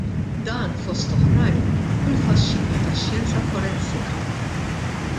Dan fost oħrajn, hu l-faxxinu tax-xjenza forensika.